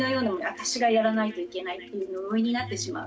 私がやらないといけないっていう呪いになってしまう。